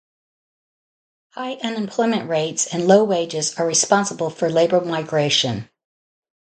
High unemployment rates and low wages are responsible for labor migration.